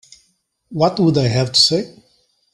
What would I have to say?